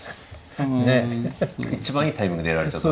ねえ一番いいタイミングでやられちゃった。